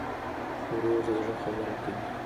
ورور ته د زړه خبره کوې.